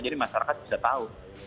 jadi masyarakat bisa tahu